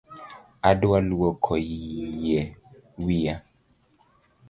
Adwa luoko yie wiya